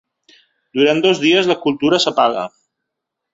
Durant dos dies la cultura s’apaga.